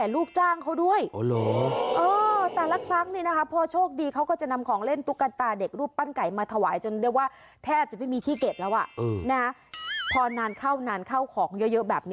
ร่วยมีทั้งสองหลักสามหลักก็วากันไป